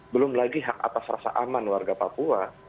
belum lagi hak atas rasa aman warga papua